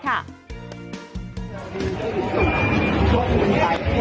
ค่ะ